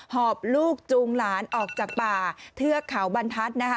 หอบลูกจูงหลานออกจากป่าเทือกเขาบรรทัศน์นะคะ